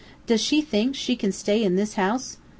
"Does she think she can stay in this house?